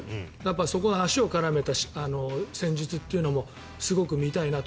そこの足を絡めた戦術というのもすごく見たいなと。